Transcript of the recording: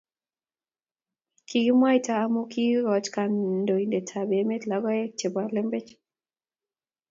Kikimwaita amu kiikoch kandoitetab emet logoiwek chebo lembech